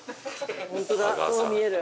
ホントだそう見える。